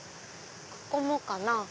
ここもかな。